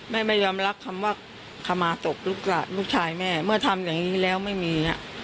ไม่ยอมรับคำว่าขมาตกลูกชายแม่เมื่อทำอย่างนี้แล้วไม่มี